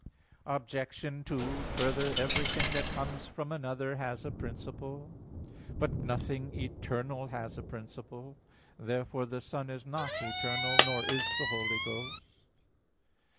Obj. 2: Further, everything that comes from another has a principle. But nothing eternal has a principle. Therefore the Son is not eternal; nor is the Holy Ghost.